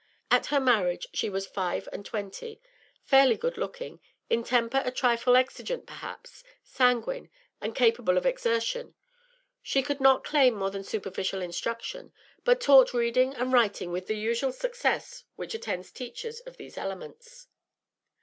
At her marriage she was five and twenty, fairly good looking, in temper a trifle exigent perhaps, sanguine, and capable of exertion; she could not claim more than superficial instruction, but taught reading and writing with the usual success which attends teachers of these elements.